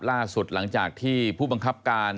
ล่าสุดหลังจากที่ผู้บังคับการ